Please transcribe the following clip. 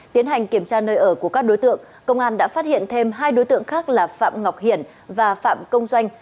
tiến hành kiểm tra nơi ở của các đối tượng công an đã phát hiện thêm hai đối tượng khác là phạm ngọc hiển và phạm công doanh